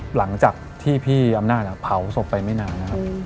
หลังจากที่พี่อำนาจเผาศพไปไม่นานนะครับ